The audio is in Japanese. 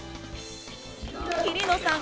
桐野さん